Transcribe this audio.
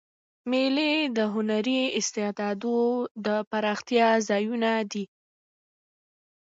مېلې د هنري استعدادو د پراختیا ځایونه دي.